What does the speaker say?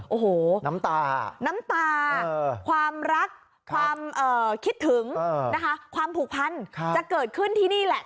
โอ้โหน้ำตาน้ำตาความรักความคิดถึงนะคะความผูกพันจะเกิดขึ้นที่นี่แหละ